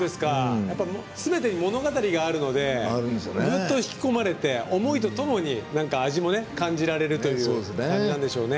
すべてに物語があるのでぐっと引き込まれて思いとともになんか味も感じられるという感じなんでしょうね。